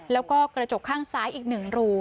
แล้วก็กระจกข้างซ้ายอีก๑รู